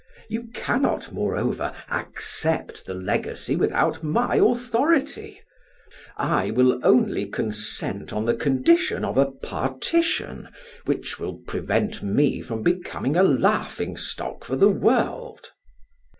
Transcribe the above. You cannot, moreover, accept the legacy without my authority; I will only consent on the condition of a partition which will prevent me from becoming a laughing stock for the world."